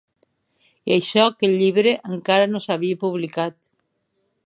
I això que el llibre encara no s'havia publicat.